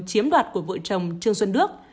chiếm đoạt của vợ chồng trương xuân đức